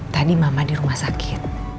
tadi mama di rumah sakit